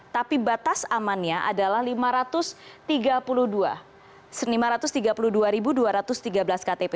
tapi batas amannya adalah lima ratus tiga puluh dua dua ratus tiga belas ktp